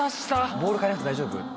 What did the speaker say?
ボール替えなくて大丈夫？って。